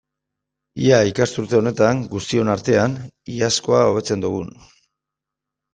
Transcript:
Ea ikasturte honetan, guztion artean, iazkoa hobetzen dugun!